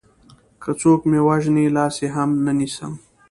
که څوک مې وژني لاس يې هم نه نيسم